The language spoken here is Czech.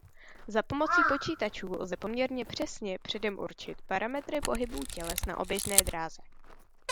Za pomocí počítačů lze poměrně přesně předem určit parametry pohybu těles na oběžné dráze.